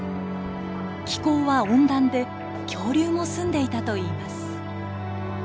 気候は温暖で恐竜も住んでいたといいます。